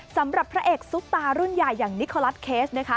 สำหรับพระเอกซุปตารุ่นใหญ่อย่างนิโคลัสเคสนะคะ